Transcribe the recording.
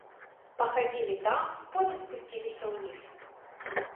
Пахадзілі там, потым спусціліся ўніз.